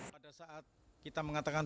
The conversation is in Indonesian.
pada saat kita mengatakan